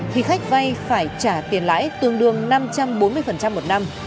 thì khách vay phải trả tiền lãi tương đương năm trăm bốn mươi một năm